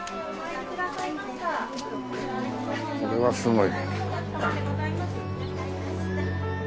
これはすごい。